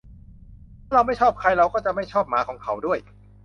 ถ้าเราไม่ชอบใคร เราก็จะไม่ชอบหมาของเขาด้วย